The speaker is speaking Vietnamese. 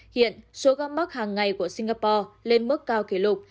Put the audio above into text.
hiện số ca mắc hàng ngày của singapore lên mức cao kỷ lục